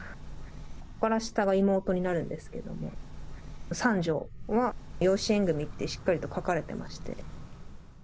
ここから下が妹になるんですけども、三女は養子縁組ってしっかりと書かれてまして。